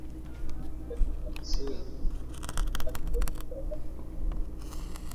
matatizo ya misuli aina tofauti za saratani miongoni mwa mengine